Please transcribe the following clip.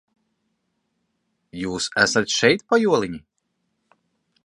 Jūs esat šeit, pajoliņi?